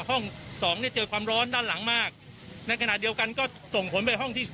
สองเนี่ยเจอความร้อนด้านหลังมากในขณะเดียวกันก็ส่งผลไปห้องที่